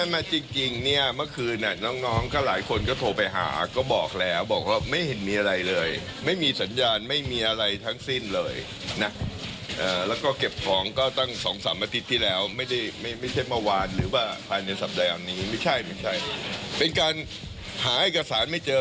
มานี่เอาเข้ากล่องเข้ากล่องไว้เท่านั้นแหละนี่ไม่มีอะไร